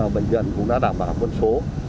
bệnh viện cũng đã đảm bảo quân số